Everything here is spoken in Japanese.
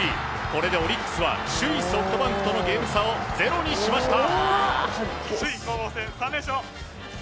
これでオリックスは首位ソフトバンクとのゲーム差をゼロにしました。